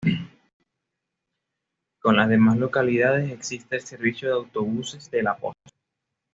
Con las demás localidades existe el servicio de autobuses de "La Poste".